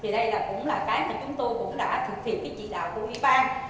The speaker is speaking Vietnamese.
đây cũng là cái mà chúng tôi đã thực hiện với chỉ đạo của y ban